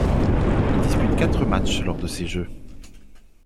Il dispute quatre matchs lors de ces Jeux.